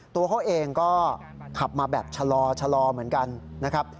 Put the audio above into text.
ตัวเขาเองก็ขับมาแบบชะลอเหมือนกันนะครับ